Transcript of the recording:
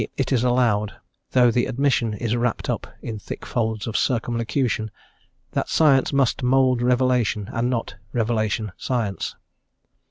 _, it is allowed though the admission is wrapped up in thick folds of circumlocution that science must mould revelation, and not revelation science.